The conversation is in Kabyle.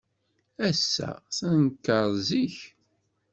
Ass-a, tenker zik.